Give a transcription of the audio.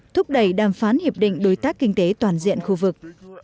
thúc đẩy đàm phán hiệp định đối tác kinh tế toàn diện khu vực